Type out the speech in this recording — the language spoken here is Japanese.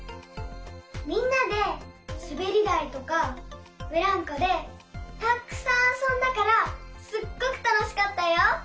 みんなですべりだいとかブランコでたっくさんあそんだからすっごくたのしかったよ。